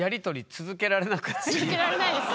続けられないです。